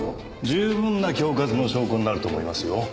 十分な恐喝の証拠になると思いますよ。